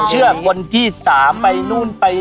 แต่ตอนนี้ค่ะมันถึงแล้ว